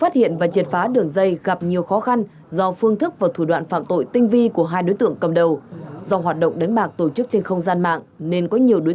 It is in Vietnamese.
thì em nghĩ là ưu thầy duy cũng bảo cách em hướng dẫn em vào các trang đấy thôi